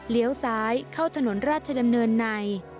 เลี้ยวซ้ายเข้าถนนราชดำเนินใน